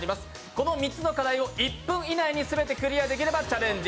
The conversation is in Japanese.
この３つの課題を１分以内に全てクリアできればチャレンジ